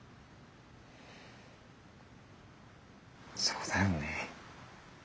そうだよね。